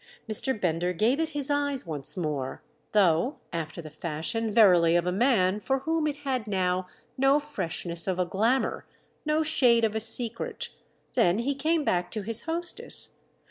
Mr. Bender gave it his eyes once more—though after the fashion verily of a man for whom it had now no freshness of a glamour, no shade of a secret; then he came back to his hostess.